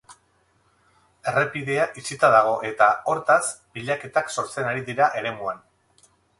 Errepidea itxita dago eta, hortaz, pilaketak sortzen ari dira eremuan.